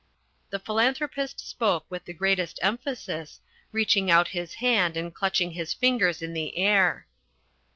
The Philanthropist spoke with the greatest emphasis, reaching out his hand and clutching his fingers in the air.